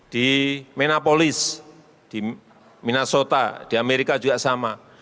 di menapolis di minasota di amerika juga sama